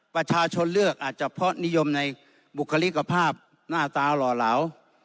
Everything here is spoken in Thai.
ประชาชนเลือกอาจจะเพราะนิยมในบุคลิกภาพหน้าตาหล่อเหลา